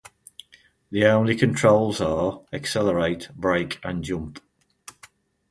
The only controls are accelerate, brake and jump.